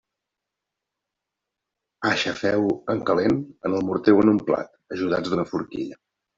Aixafeu-ho en calent en el morter o en un plat ajudats d'una forquilla.